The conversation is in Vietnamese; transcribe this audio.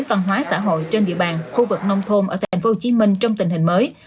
văn hóa xã hội trên địa bàn khu vực nông thôn ở tp hcm trong tình hình mới